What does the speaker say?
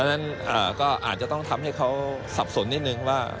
เพราะฉะนั้นก็อาจจะต้องทำให้เขาสับสนนิดนึงว่า